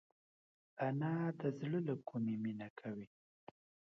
انا د زړه له کومي مینه کوي